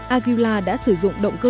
aguila đã sử dụng động cơ